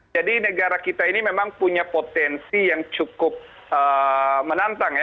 jadi negara kita ini memang punya potensi yang cukup menantang